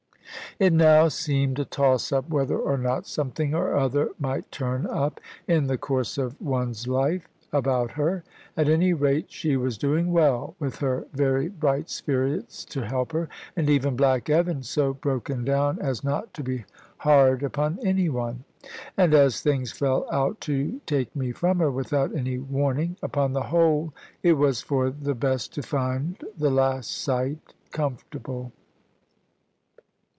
It now seemed a toss up whether or not something or other might turn up, in the course of one's life, about her. At any rate she was doing well, with her very bright spirits to help her, and even Black Evan, so broken down as not to be hard upon any one. And as things fell out to take me from her, without any warning, upon the whole it was for the best to find the last sight comfortable.